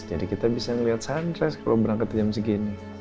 jadi kita bisa melihat sunrise kalau berangkat jam segini